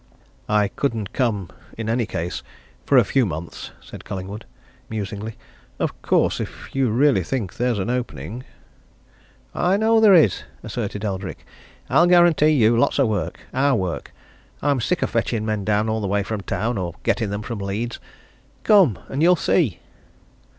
"I couldn't come in any case for a few months," said Collingwood, musingly. "Of course, if you really think there's an opening " "I know there is!" asserted Eldrick. "I'll guarantee you lots of work our work. I'm sick of fetching men down all the way from town, or getting them from Leeds. Come! and you'll see."